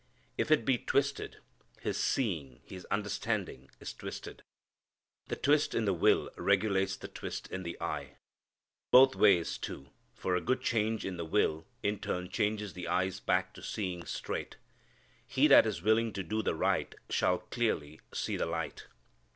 If it be twisted, his seeing, his understanding, is twisted. The twist in the will regulates the twist in the eye. Both ways, too, for a good change in the will in turn changes the eyes back to seeing straight. He that is willing to do the right shall clearly see the light.